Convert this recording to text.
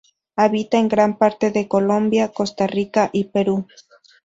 Habita en gran parte de Colombia, Costa Rica y Perú.